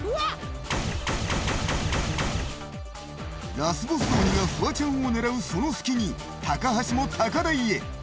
ラスボス鬼がフワちゃんを狙うその隙に、高橋も高台へ。